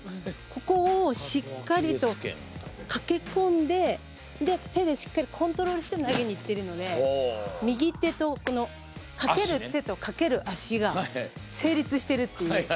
ここをしっかりと掛け込んで手でしっかりコントロールして投げにいってるので右手とこの掛ける手と掛ける足が成立してるっていう。